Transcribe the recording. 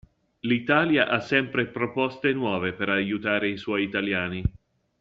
L'Italia ha sempre proposte nuove per aiutare i suoi italiani.